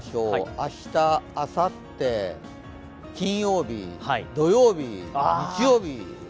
明日、あさって、金曜日、土曜日、日曜日。